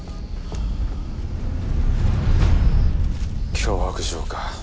脅迫状か。